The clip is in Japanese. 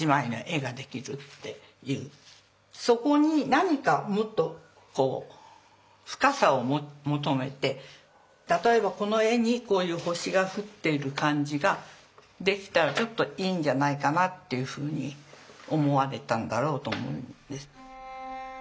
そこに何かもっと深さを求めて例えばこの絵にこういう星が降っている感じができたらちょっといいんじゃないかなっていうふうに思われたんだろうと思うんです。